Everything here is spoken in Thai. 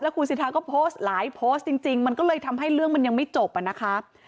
คุณสิทธาก็โพสต์หลายโพสต์จริงมันก็เลยทำให้เรื่องมันยังไม่จบอ่ะนะคะ